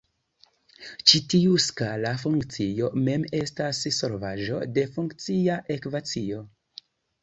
Ĉi tiu skala funkcio mem estas solvaĵo de funkcia ekvacio.